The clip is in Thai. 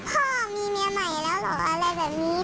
พ่อมีเมียใหม่แล้วเหรออะไรแบบนี้